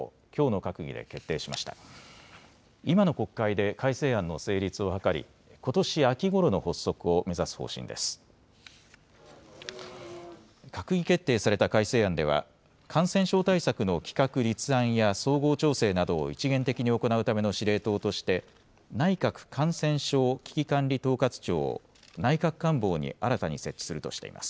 閣議決定された改正案では感染症対策の企画・立案や総合調整などを一元的に行うための司令塔として内閣感染症危機管理統括庁を内閣官房に新たに設置するとしています。